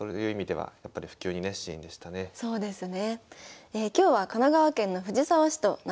はいそうですね。